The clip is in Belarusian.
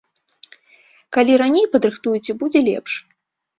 Калі раней падрыхтуеце, будзе лепш.